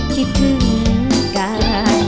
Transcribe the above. ชิดถึงกัน